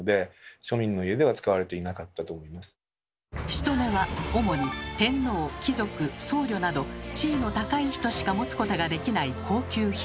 中に茵は主に天皇貴族僧侶など地位の高い人しか持つことができない高級品。